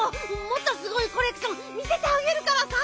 もっとすごいコレクション見せてあげるからさ。